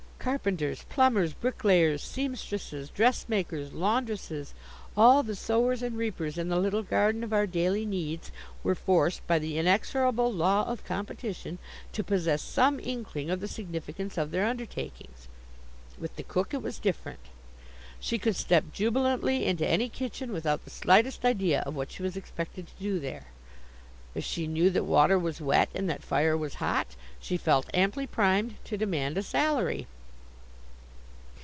Carpenters, plumbers, bricklayers, seamstresses, dressmakers, laundresses all the sowers and reapers in the little garden of our daily needs, were forced by the inexorable law of competition to possess some inkling of the significance of their undertakings. With the cook it was different. She could step jubilantly into any kitchen without the slightest idea of what she was expected to do there. If she knew that water was wet and that fire was hot, she felt amply primed to demand a salary.